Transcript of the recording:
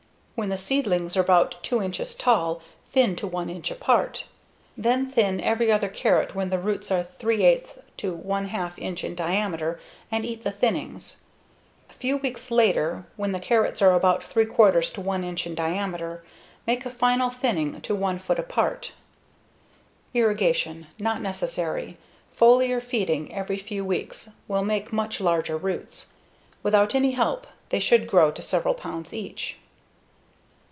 When the seedlings are about 2 inches tall, thin to 1 inch apart. Then thin every other carrot when the roots are [f]3/8 to [f]1/2 inch in diameter and eat the thinnings. A few weeks later, when the carrots are about 3/4 to 1 inch in diameter, make a final thinning to 1 foot apart. Irrigation: Not necessary. Foliar feeding every few weeks will make much larger roots. Without any help they should grow to several pounds each.